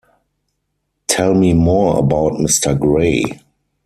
Tell me more about Mr. Gray.